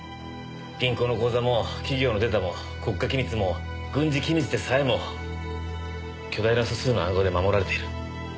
銀行の口座も企業のデータも国家機密も軍事機密でさえも巨大な素数の暗号で守られている。